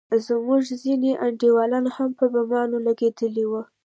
زموږ ځينې انډيولان هم په بمانو لگېدلي وو.